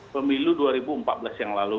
pemilu dua ribu empat belas yang lalu